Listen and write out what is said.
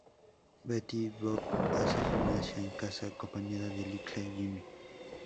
Betty Boop hace gimnasia en casa acompañada de Little Jimmy.